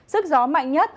sức gió mạnh nhất